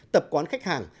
tập quán khách hàng